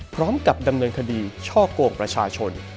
พร้อมกับดำเนินคดีช่อกงประชาชน